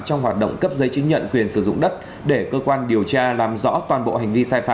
trong hoạt động cấp giấy chứng nhận quyền sử dụng đất để cơ quan điều tra làm rõ toàn bộ hành vi sai phạm